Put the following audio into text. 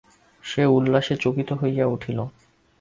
সে উল্লাসে চকিত হইয়া উঠিল।